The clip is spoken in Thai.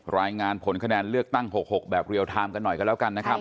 รายงานผลคะแนนเลือกตั้ง๖๖แบบเรียลไทม์กันหน่อยก็แล้วกันนะครับ